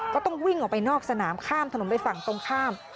ก็ต้องวิ่งออกไปนอกสนามข้ามถนนไปฝั่งตรงข้าม